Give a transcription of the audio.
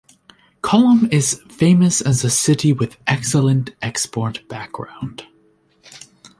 Kollam is famous as a city with excellent export background.